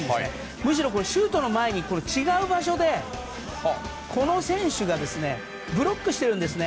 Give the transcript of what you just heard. むしろシュートの前に違う場所でこの選手がブロックしているんですね。